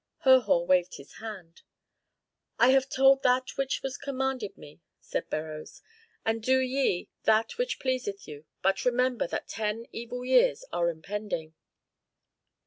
Herhor waved his hand. "I have told that which was commanded me," said Beroes, "and do ye that which pleaseth you. But remember that ten evil years are impending."